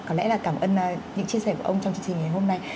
có lẽ là cảm ơn những chia sẻ của ông trong chương trình ngày hôm nay